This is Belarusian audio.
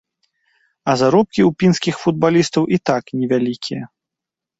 А заробкі ў пінскіх футбалістаў і так невялікія.